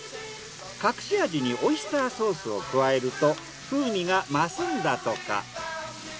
隠し味にオイスターソースを加えると風味が増すんだとか。